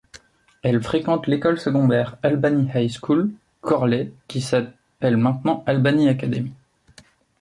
Elle fréquente l'école secondaire Albany High School, Chorley qui s'appelle maintenant Albany Academy.